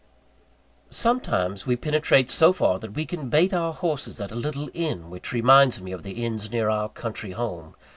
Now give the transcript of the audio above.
Sometimes we penetrate so far that we can bait our horses at a little inn which reminds me of the inns near our country home.